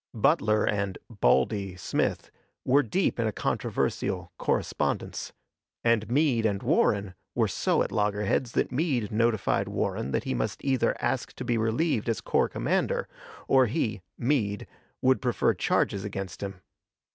Butler and "Baldy" Smith were deep in a controversial correspondence; and Meade and Warren were so at loggerheads that Meade notified Warren that he must either ask to be relieved as corps commander or he (Meade) would prefer charges against him.